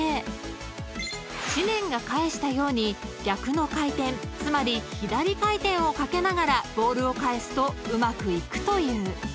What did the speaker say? ［知念が返したように逆の回転つまり左回転をかけながらボールを返すとうまくいくという］